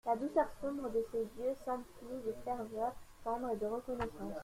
La douceur sombre de ses yeux s’emplit de ferveur tendre et de reconnaissance.